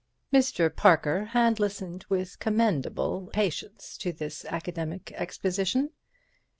Mr. Parker had listened with commendable patience to this academic exposition.